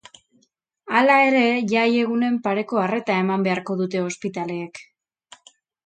Hala ere, jaiegunen pareko arreta eman beharko dute ospitaleek.